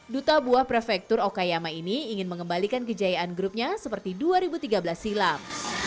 duta buah prefektur okayama ini ingin mengembalikan kejayaan grupnya seperti dua ribu tiga belas silam